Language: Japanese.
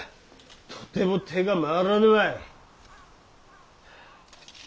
とても手が回らぬわい。